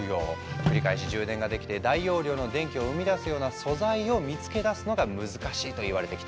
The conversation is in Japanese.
繰り返し充電ができて大容量の電気を生み出すような「素材」を見つけだすのが難しいといわれてきた。